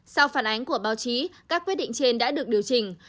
sau phản ánh của báo chí các quyết định trên đã được điều chỉnh